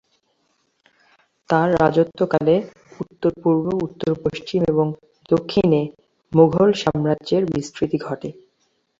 তাঁর রাজত্বকালে উত্তর-পূর্ব, উত্তর-পশ্চিম এবং দক্ষিণে মুগল সাম্রাজ্যের বিস্তৃতি ঘটে।